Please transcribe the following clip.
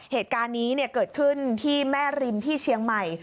เหตุการณ์นี้เกิดขึ้นที่แม่ริมที่เชียงใหม่